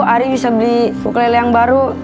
ari bisa beli ukulele yang baru